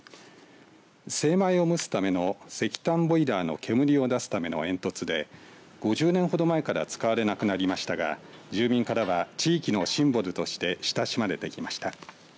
精米を蒸すための石炭ボイラーの煙を出すための煙突で５０年ほど前から使われなくなりましたが住民からは地域のシンボルとして親しまれてきました。